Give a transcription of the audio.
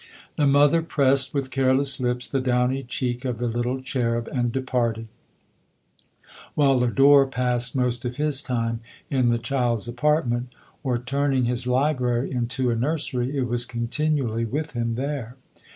The mother pressed with careless lips the downy cheek of the little cherub, and departed ; while Lodore passed most of his time in the child's apartment, or, turning his library into a nursery, it was continually with him there.